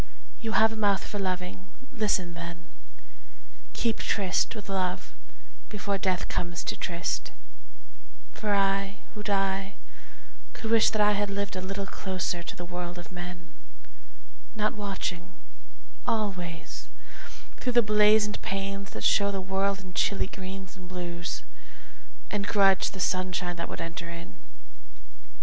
You have a mouth for loving listen then: Keep tryst with Love before Death comes to tryst; For I, who die, could wish that I had lived A little closer to the world of men, Not watching always thro' the blazoned panes That show the world in chilly greens and blues And grudge the sunshine that would enter in.